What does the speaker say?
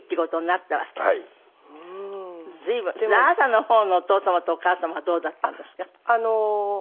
随分あなたの方のお父様とお母様はどうだったんですか？